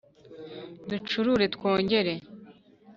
Ducurure twongere